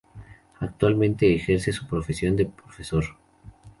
Actualmente ejerce su profesión de profesor.